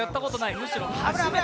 むしろ初めて。